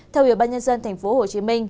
theo ủy ban nhân dân tp hcm